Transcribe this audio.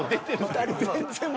２人全然。